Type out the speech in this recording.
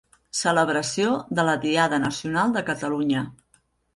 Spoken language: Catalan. Celebració de la diada Nacional de Catalunya.